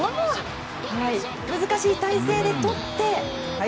難しい体勢でとって。